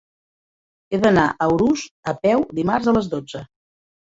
He d'anar a Urús a peu dimarts a les dotze.